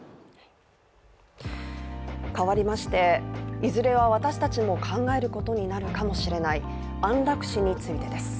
変わりまして、いずれは私たちも考えることになるかもしれない安楽死についてです。